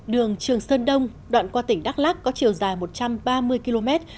đường trường sơn đông đoạn qua tỉnh đắk lắc có chiều dài một trăm ba mươi km